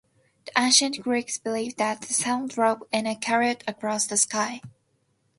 The ancient Greeks believed that the sun drove in a chariot across the sky.